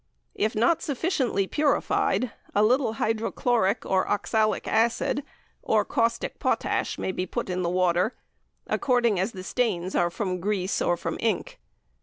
If not sufficiently purified, a little hydrochloric or oxalic acid, or caustic potash may be put in the water, according as the stains are from grease or from ink.